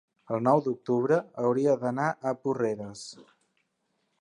El nou d'octubre hauria d'anar a Porreres.